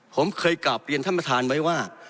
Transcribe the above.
ผมเคยกลับเรียนท่านประธานไว้ว่า